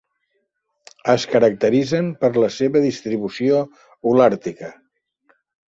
Es caracteritzen per la seva distribució Holàrtica.